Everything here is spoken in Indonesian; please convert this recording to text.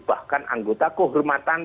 bahkan anggota kehormatan